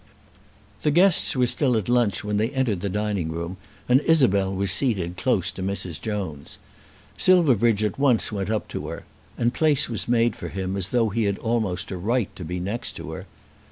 The guests were still at lunch when they entered the dining room, and Isabel was seated close to Mrs. Jones. Silverbridge at once went up to her, and place was made for him as though he had almost a right to be next to her.